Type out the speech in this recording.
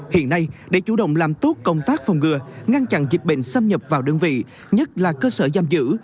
hiện nay để chủ động làm tốt công tác phòng ngừa ngăn chặn dịch bệnh xâm nhập vào đơn vị nhất là cơ sở giam giữ